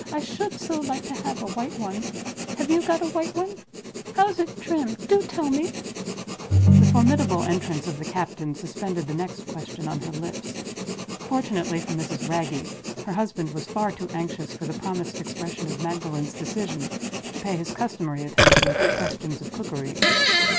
I should so like to have a white one. Have you got a white one? How is it trimmed? Do tell me!" The formidable entrance of the captain suspended the next question on her lips. Fortunately for Mrs. Wragge, her husband was far too anxious for the promised expression of Magdalen's decision to pay his customary attention to questions of cookery.